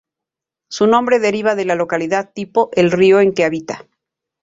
Su nombre deriva de la localidad tipo, el río en que habita.